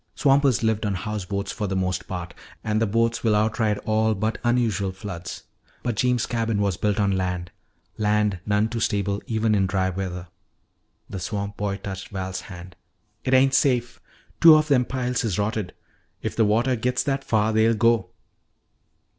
Swampers lived on house boats for the most part, and the boats will outride all but unusual floods. But Jeems' cabin was built on land, land none too stable even in dry weather. The swamp boy touched Val's hand. "It ain't safe. Two of them piles is rotted. If the watah gits that far, they'll go."